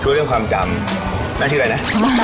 ช่วยเรื่องความจำแม่ชื่ออะไรนะ